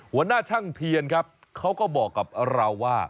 หัวหน้าช่างเทียนครับเขาก็บอกกับเราว่า